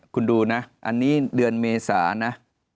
คุณดูนะอันนี้เดือนเมษานะ